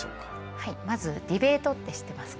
はいまずディベートって知ってますか？